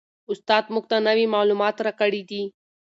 استاد موږ ته نوي معلومات راکړي دي.